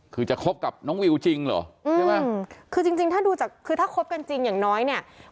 คือจะคบกับน้องวิวจริงเหรอใช่ไหมคือจริงจริงถ้าดูจากคือถ้าคบกันจริงอย่างน้อยเนี่ย